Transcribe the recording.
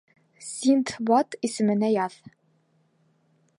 — Синдбад исеменә яҙ.